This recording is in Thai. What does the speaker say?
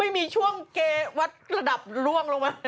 ไม่มีช่วงเกวัดระดับล่วงลงมา